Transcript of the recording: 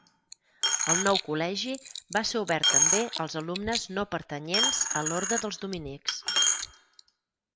El nou Col·legi va ser obert també als alumnes no pertanyents a l'Orde dels dominics.